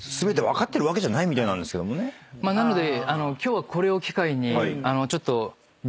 なので。